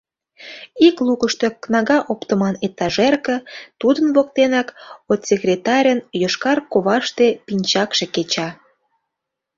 Ик лукышто — кнага оптыман этажерка, тудын воктенак отсекретарьын йошкар коваште пинчакше кеча.